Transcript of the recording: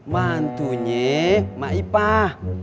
mantunya mbak ipah